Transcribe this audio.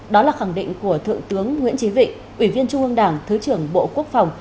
đó là khẳng định của thượng tướng nguyễn trí vịnh ủy viên trung ương đảng thứ trưởng bộ quốc phòng